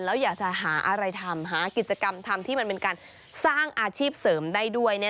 แล้วอยากจะหาอะไรทำหากิจกรรมทำที่มันเป็นการสร้างอาชีพเสริมได้ด้วย